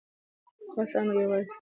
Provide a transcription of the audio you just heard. خاص امر یوازې د جګړې په وخت کي وي.